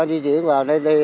nó di chuyển vào đây